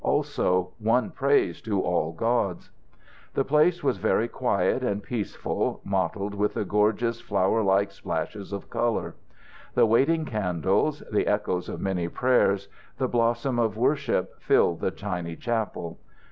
Also, one prays to all gods. The place was very quiet and peaceful, mottled with the gorgeous, flowerlike splashes of colour. The waiting candles, the echoes of many prayers, the blossom of worship filled the tiny chapel.